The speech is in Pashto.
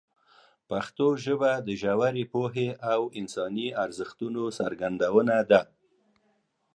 پښتو ژبه د ژورې پوهې او انساني ارزښتونو څرګندونه ده.